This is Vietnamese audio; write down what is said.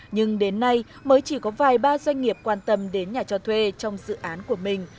nhưng đến nay mới chỉ có vài ba doanh nghiệp quan tâm đến nhà cho thuê trong dự án của mình